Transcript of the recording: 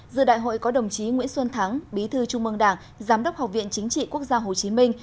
giữa đại hội có đồng chí nguyễn xuân thắng bí thư trung mương đảng giám đốc học viện chính trị quốc gia hồ chí minh